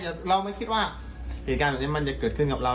แต่เราไม่คิดว่าเหตุการณ์แบบนี้มันจะเกิดขึ้นกับเรา